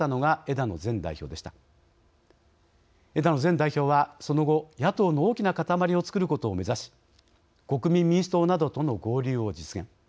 枝野前代表は、その後野党の大きなかたまりをつくることを目指し国民民主党などとの合流を実現。